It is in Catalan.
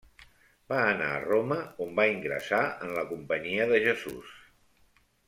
Va anar a Roma on va ingressar en la Companyia de Jesús.